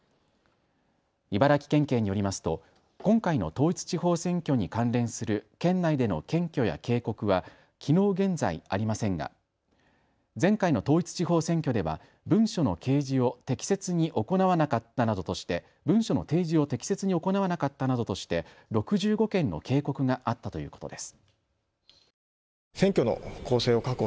茨城県警によりますと今回の統一地方選挙に関連する県内での検挙や警告はきのう現在ありませんが前回の統一地方選挙では文書の掲示を適切に行わなかったなどとして６５件の警告があったということです。